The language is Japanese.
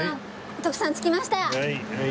徳さん着きました。